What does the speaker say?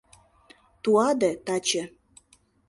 Туаде — таче.